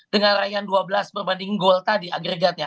dengan raihan dua belas berbanding gol tadi agregatnya